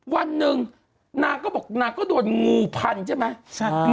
วันหนึ่งนางก็บอกนางก็โดนงูพันใช่ไหม